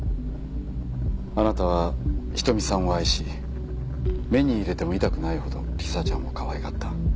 あなたは仁美さんを愛し目に入れても痛くないほど理沙ちゃんをかわいがった。